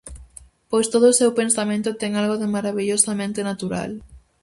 Pois todo o seu pensamento ten algo de marabillosamente natural.